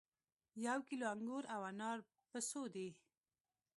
یو کیلو انګور او انار په څو دي